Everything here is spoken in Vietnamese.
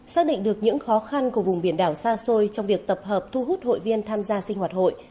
xác định được những khó khăn của vùng biển đảo xa xôi trong việc tập hợp thu hút hội viên tham gia sinh hoạt hội